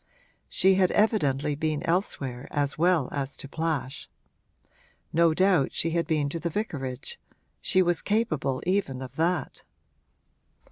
She had evidently been elsewhere as well as to Plash; no doubt she had been to the vicarage she was capable even of that.